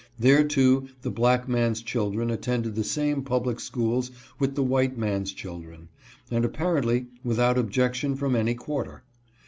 There, too, the black man's children attended the same public schools with the white man's children, and apparently without objection from any quarter.